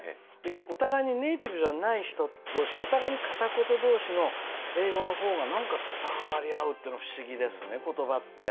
お互いにネイティブじゃない人どうし、お互いに片言どうしの英語のほうが、なんか伝わり合うっていうの、不思議ですね、ことばって。